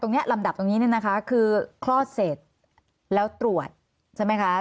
ลำดับตรงนี้เนี่ยนะคะคือคลอดเสร็จแล้วตรวจใช่ไหมคะ